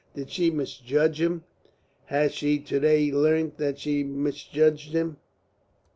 Did she misjudge him? Has she to day learnt that she misjudged him?"